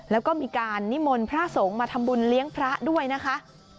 แล้วก็มีการนิมนต์พระสงฆ์มาทำบุญเลี้ยงพระด้วยนะคะ